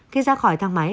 khi ra khỏi thang máy